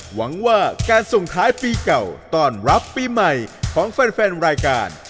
หวังว่าการส่งท้ายปีเก่าต้อนรับปีใหม่ของแฟนรายการ